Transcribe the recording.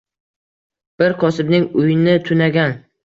Bir kosibning uyini tunagan